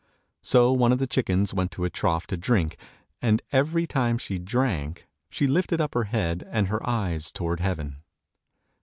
So one of the chickens went to a trough to drink, and every time she drank she lifted up her head and her eyes toward heaven.